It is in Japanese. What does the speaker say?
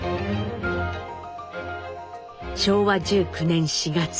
昭和１９年４月。